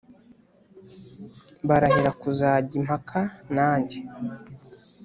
Barahira kuzajya impaka nanjye